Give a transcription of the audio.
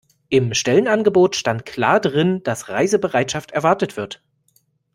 Im Stellenangebot stand klar drin, dass Reisebereitschaft erwartet wird.